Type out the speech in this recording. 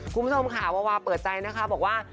คุณผู้ชมค่ะวาวาเปิดใจนะคะบอกว่า